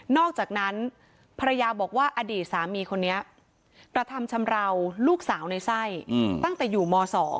อกจากนั้นภรรยาบอกว่าอดีตสามีคนนี้กระทำชำราวลูกสาวในไส้ตั้งแต่อยู่ม๒